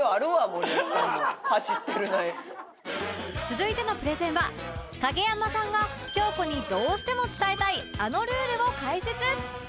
続いてのプレゼンは影山さんが京子にどうしても伝えたいあのルールを解説